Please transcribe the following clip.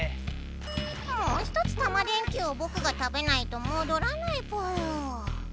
もう一つタマ電Ｑをぼくが食べないともどらないぽよ。